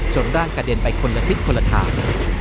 ร่างกระเด็นไปคนละทิศคนละทาง